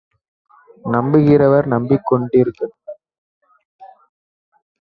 நம்புகிறவர் நம்பிக் கொண்டிருக்கட்டும்.